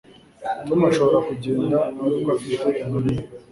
Tom ashobora kugenda ari uko afite inkoni ye